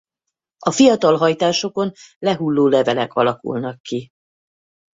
A fiatal hajtásokon lehulló levelek alakulnak ki.